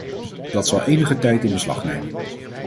Dat zal enige tijd in beslag nemen.